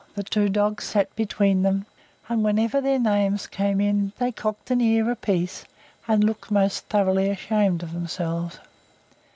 The two dogs sat between them, and whenever their names came in, they cocked an ear apiece and looked most thoroughly ashamed of themselves.